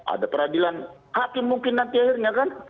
ada peradilan hakim mungkin nanti akhirnya kan